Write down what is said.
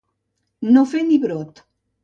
No fer ni brot.